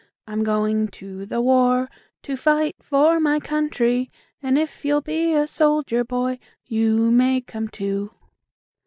'I'm going to the war to fight for my country, And if you'll be a soldier boy, you may come too.'"